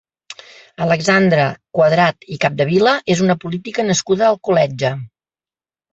Alexandra Cuadrat i Capdevila és una política nascuda a Alcoletge.